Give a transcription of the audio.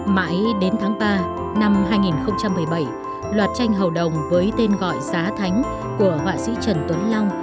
mãi đến tháng ba năm hai nghìn một mươi bảy loạt tranh hầu đồng với tên gọi giá thánh của họa sĩ trần tuấn long